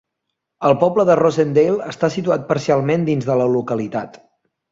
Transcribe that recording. El poble de Rosendale està situat parcialment dins de la localitat.